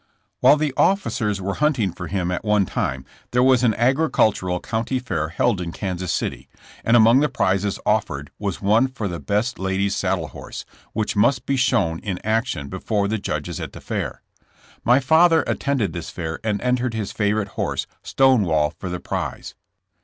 While the officers were hunting for him at one time there was an agricultural county fair held in OUTI,A"WED Ais^D fiUNTlCD. 75 Kansas City, and among the prizes offered was one for the best lady's saddle horse, which must be shown in action before the judges at the fair. My father attended this fair and entered his favorite horse, ''Stonewall," for the prize.